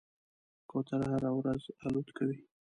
کوتره هره ورځ الوت کوي.